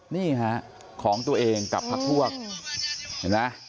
นี่ค่ะของตัวเองกับผักลวกเห็นมั้ย